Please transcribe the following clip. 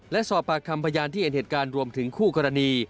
และสอบปากคำพยานที่เห็นเหตุการณ์รวมถึงคู่กรณี